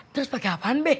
terus pake apaan be